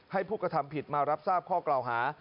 ผู้กระทำผิดมารับทราบข้อกล่าวหา